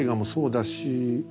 だし